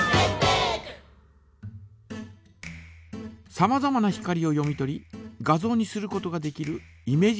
さまざまな光を読み取り画像にすることができる